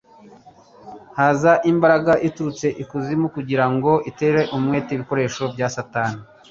haza imbaraga iturutse ikuzimu kugira ngo itera umwete ibikoresho bya Satani.